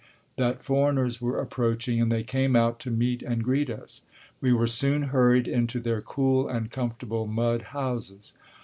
that foreigners were approaching, and they came out to meet and greet us. We were soon hurried into their cool and comfortable mud houses.